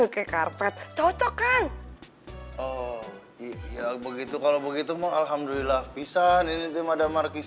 kekarpet cocok kan oh begitu kalau begitu mengalhamdulillah pisah ninti mada markis